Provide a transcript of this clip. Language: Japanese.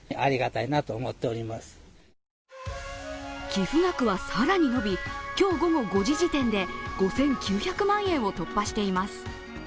寄付額は更に伸び、今日午後５時時点で５９００万円を突破しています。